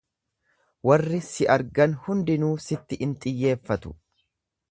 Warri si argan hundinuu sitti in xiyyeeffatu.